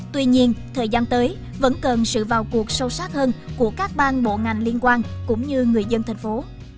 tuy nhiên thời gian tới vẫn cần sự vào cuộc sâu sát hơn của các bang bộ ngành liên quan cũng như người dân thành phố